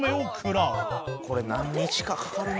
これ何日かかかるな。